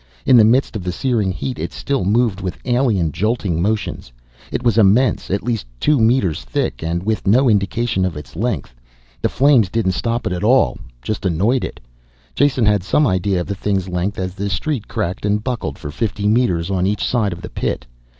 In the midst of the searing heat it still moved with alien, jolting motions. It was immense, at least two meters thick and with no indication of its length. The flames didn't stop it at all, just annoyed it. Jason had some idea of the thing's length as the street cracked and buckled for fifty meters on each side of the pit.